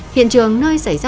hiện trường nơi xảy ra vụ án